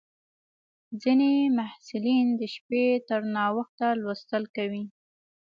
ځینې محصلین د شپې تر ناوخته لوستل کوي.